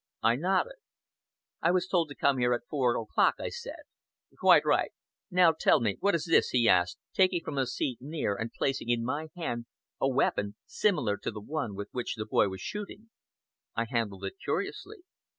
I nodded. "I was told to come here at four o'clock," I said. "Quite right. Now tell me, what is this?" he asked, taking from a seat near and placing in my hand a weapon, similar to the one with which the boy was shooting. I handled it curiously.